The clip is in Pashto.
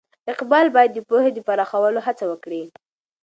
اقبال باید د پوهې د پراخولو هڅه وکړي.